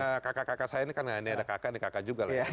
kakak kakak saya ini kan ini ada kakak ini kakak juga